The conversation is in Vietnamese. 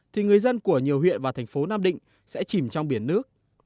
thì người dân của nhiều huyện và thành phố nam định sẽ chìm trong biển nước